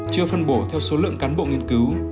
chưa phân bổ theo số lượng cán bộ nghiên cứu